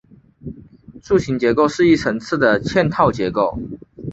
树形结构是一层次的嵌套结构。